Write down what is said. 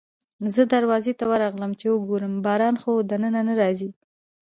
زه دروازې ته ورغلم چې وګورم باران خو دننه نه راځي.